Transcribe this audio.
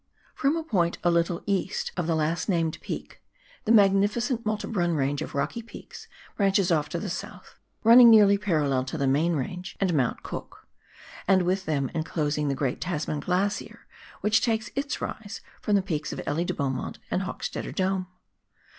From a point a little east of the last named peak, the magnificent Malte Brun Range of rocky peaks branches off to the south, running nearly parallel to the main range and Mount Cook, and with them enclosing the great Tasman Glacier, which takes its rise from the peaks of Elie de Beaumont and Hochstetter Dome.